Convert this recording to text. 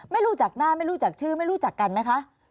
ไม่รู้จักหน้าไม่รู้จักชื่อไม่รู้จักกันไหมคะ